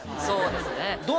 そうですね。